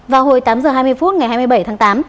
vào hồi tám h hai mươi phút ngày hai mươi bảy tháng tám